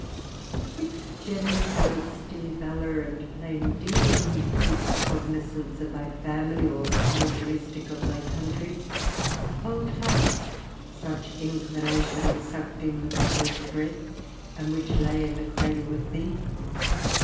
If generous honesty, valor, and plain dealing be the cognizance of thy family or characteristic of thy country, hold fast such inclinations sucked in with thy first breath, and which lay in the cradle with thee.